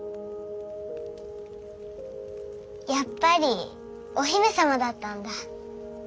やっぱりお姫様だったんだ。